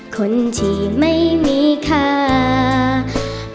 คนที่ไม่มีค่า